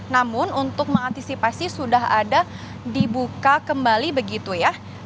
namun untuk mengantisipasi sudah ada dibuka kembali begitu ya